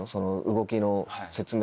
動きの説明